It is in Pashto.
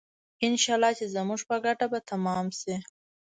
انشاالله چې زموږ په ګټه به تمام شي.